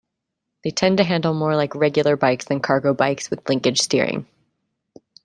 They tend to handle more like regular bikes than cargo bikes with linkage steering.